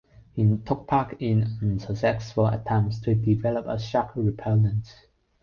He took part in unsuccessful attempts to develop a shark repellent.